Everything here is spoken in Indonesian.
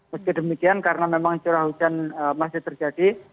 meski demikian karena memang curah hujan masih terjadi